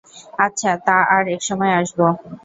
আচ্ছা, তা, আর-এক সময় আসব।